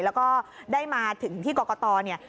แล้วก็ได้มาถึงที่กรกตเนี่ย